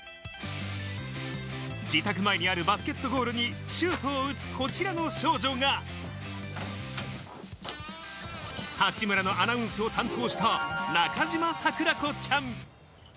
自宅前にあるバスケットゴールにシュートを打つこちらの少女が八村のアナウンスを担当した、中嶋桜子ちゃん。